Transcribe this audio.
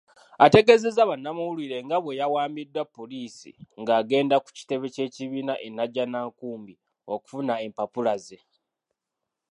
Ategeezezza bannamawulire nga bwe yawambiddwa poliisi ng'agenda ku kitebe ky'ekibiina eNajjanankumbi okufuna empapula ze.